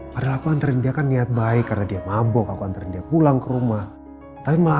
karena aku antarin dia kan niat baik karena dia mabok aku anterin dia pulang ke rumah tapi malah